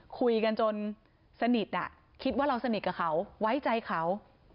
คุยกันจนสนิทคิดว่าเราสนิทกับเขาไว้ใจเขา